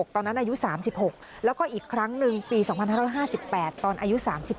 ตอนนั้นอายุ๓๖แล้วก็อีกครั้งหนึ่งปี๒๕๕๘ตอนอายุ๓๙